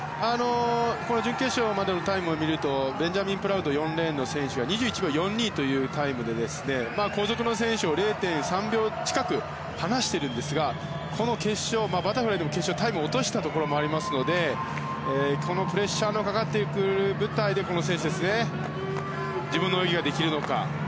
準決勝までのタイムを見るとベンジャミン・プラウド４レーンの選手は２１秒４２というタイムで後続の選手を０．３秒近く離しているんですがバタフライの決勝でタイムを落としたところもありますのでこのプレッシャーのかかってくる舞台で自分の泳ぎができるのか。